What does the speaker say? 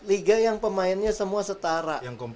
liga yang pemainnya semua setara